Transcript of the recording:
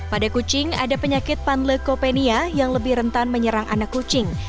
pada kucing ada penyakit panleukopenia yang lebih rentan menyerang anak kucing